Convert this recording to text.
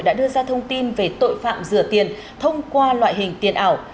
đã đưa ra thông tin về tội phạm rửa tiền thông qua loại hình tiền ảo